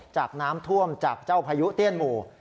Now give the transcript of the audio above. จากน้ำท่วมจากเจ้าพายุเตี้ยนหมู่